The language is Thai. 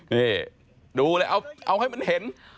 นี่ดูเลยเอาให้มันเห็น